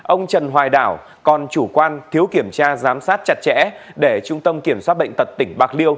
ông trần hoài đảo còn chủ quan thiếu kiểm tra giám sát chặt chẽ để trung tâm kiểm soát bệnh tật tỉnh bạc liêu